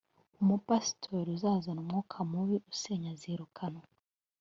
umupasitori uzazana umwuka mubi usenya azirukanwa